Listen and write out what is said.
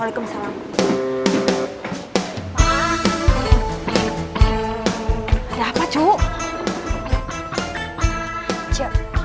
ada apa tuh